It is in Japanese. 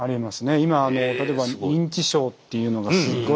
今例えば認知症というのがすごい